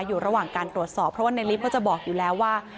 อยู่ระหว่างการตรวจสอบเพราะว่าในลิฟต์ก็จะบอกอยู่แล้วว่า